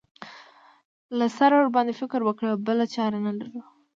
له سره ورباندې فکر وکړو بله چاره نه لرو.